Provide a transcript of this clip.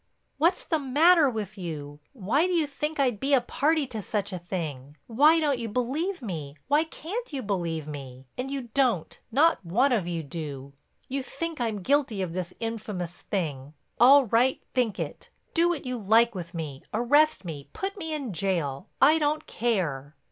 "What's the matter with you? Why do you think I'd be a party to such a thing? Why don't you believe me—why can't you believe me? And you don't—not one of you. You think I'm guilty of this infamous thing. All right, think it. Do what you like with me—arrest me, put me in jail, I don't care."